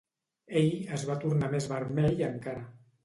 Ell es va tornar més vermell encara.